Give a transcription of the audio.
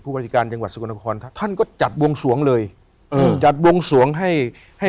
บริการจังหวัดสกลนครท่านก็จัดวงสวงเลยอืมจัดวงสวงให้ให้